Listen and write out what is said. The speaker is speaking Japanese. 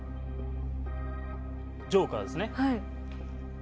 ジョーカーですね。